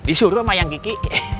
disuruh sama yang kiki